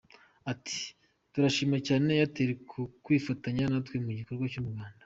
Ati “Turashima cyane Airtel ku kwifatanya natwe mu gikorwa cy’Umuganda.